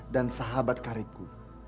dan sahabat karibku